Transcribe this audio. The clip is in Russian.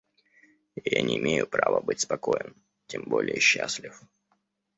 Я не имею права быть спокоен, тем более счастлив...